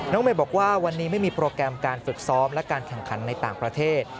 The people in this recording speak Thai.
เมย์บอกว่าวันนี้ไม่มีโปรแกรมการฝึกซ้อมและการแข่งขันในต่างประเทศ